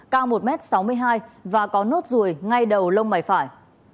cao một m sáu mươi hai và có nốt ruồi ngay đầu lông mày phải